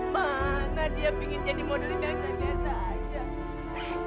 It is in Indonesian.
ma nadia ingin jadi model yang biasa biasa saja